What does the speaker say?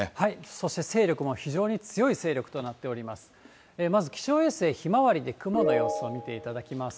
そして、勢力も非常に強い勢力となっております。